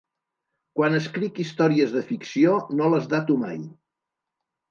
Quan escric històries de ficció no les dato mai.